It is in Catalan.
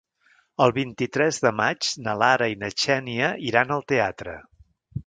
El vint-i-tres de maig na Lara i na Xènia iran al teatre.